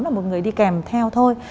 là một người đi kèm theo thôi